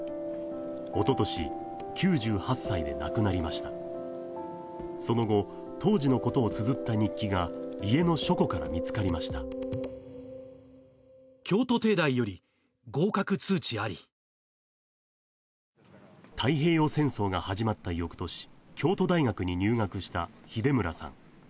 おととし９８歳で亡くなりましたその後当時のことを綴った日記が家の書庫から見つかりました太平洋戦争が始まった翌年京都大学に入学した秀村さん